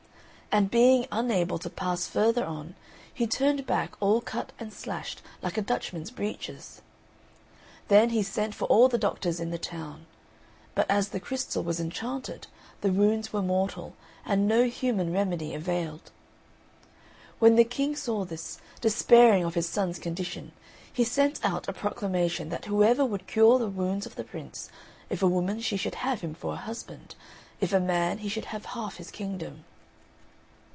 And being unable to pass further on he turned back all cut and slashed like a Dutchman's breeches. Then he sent for all the doctors in the town; but as the crystal was enchanted the wounds were mortal, and no human remedy availed. When the King saw this, despairing of his son's condition, he sent out a proclamation that whoever would cure the wounds of the Prince if a woman she should have him for a husband if a man he should have half his kingdom.